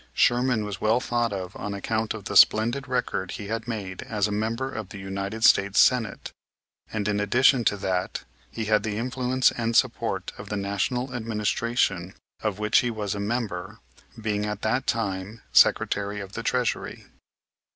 Sherman was well thought of on account of the splendid record he had made as a member of the United States Senate, and, in addition to that, he had the influence and the support of the National Administration, of which he was a member, being at that time Secretary of the Treasury.